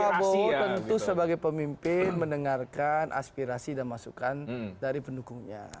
pak prabowo tentu sebagai pemimpin mendengarkan aspirasi dan masukan dari pendukungnya